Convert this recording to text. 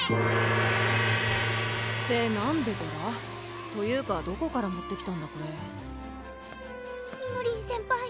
ってなんで銅鑼？というかどこから持ってきたんだこれみのりん先輩